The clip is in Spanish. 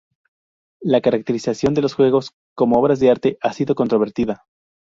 La caracterización de los juegos como obras de arte ha sido controvertida.